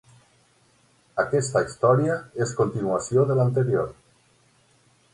Aquesta història és continuació de l'anterior.